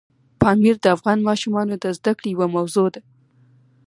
پامیر د افغان ماشومانو د زده کړې یوه موضوع ده.